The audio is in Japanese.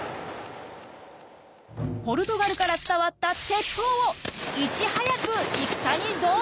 ポルトガルから伝わった鉄砲をいち早く戦に導入！